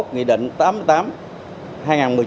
nghị định tám mươi tám hai nghìn một mươi chín